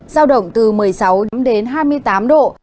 giao động từ một mươi sáu đến hai mươi tám độ